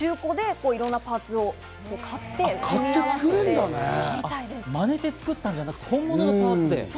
中古でいろんなパーツを買っマネたんじゃなくて本物のパーツで。